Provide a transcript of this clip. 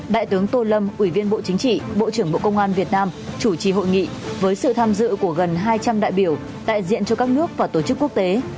đại tướng tô lâm ủy viên bộ chính trị bộ trưởng bộ công an việt nam chủ trì hội nghị với sự tham dự của gần hai trăm linh đại biểu đại diện cho các nước và tổ chức quốc tế